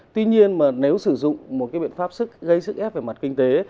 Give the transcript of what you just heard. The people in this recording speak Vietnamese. tuy nhiên mà nếu sử dụng một cái biện pháp gây sức ép về mặt kinh tế